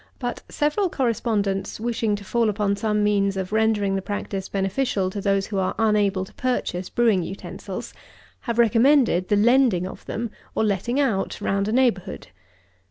But several correspondents wishing to fall upon some means of rendering the practice beneficial to those who are unable to purchase brewing utensils, have recommended the lending of them, or letting out, round a neighbourhood.